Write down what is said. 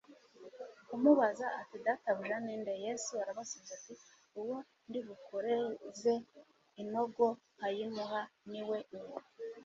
kumubaza ati: "Databuja ninde?". Yesu arabasubiza ati: "uwo ndibukoreze inogo nkayimuha niwe uwo."